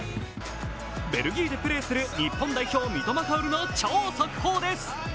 ベルギーでプレーする日本代表、三笘薫の超速報です。